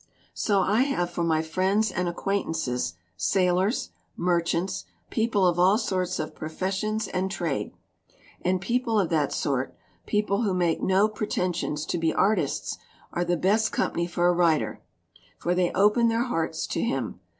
"So I have for my friends and acquaintances sailors, merchants people of all sorts of pro fessions and trade. And people of that sort people who make no pretensions to be artists are the best company for a writer, for they open their hearts to him.